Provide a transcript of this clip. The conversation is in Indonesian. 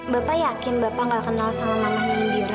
bapak yakin bapak gak kenal sama mamanya indira